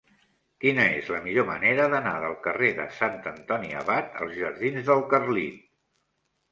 Quina és la millor manera d'anar del carrer de Sant Antoni Abat als jardins del Carlit?